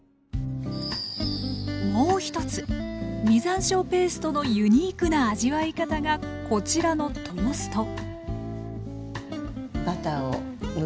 もう一つ実山椒ペーストのユニークな味わい方がこちらのトースト